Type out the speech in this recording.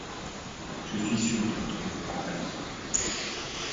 Je suis sûr de retrouver mes compagnons.